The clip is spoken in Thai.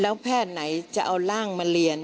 แล้วแพทย์ไหนจะเอาร่างมาเรียน